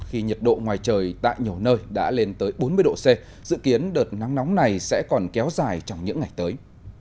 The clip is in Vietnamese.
khi nhiệt độ ngoài trời tại nhiều nơi đã lên tới bốn mươi độ c dự kiến đợt nắng nóng này sẽ còn kéo dài trong những ngày tới